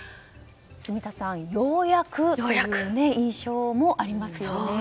住田さん、ようやくという印象もありますよね。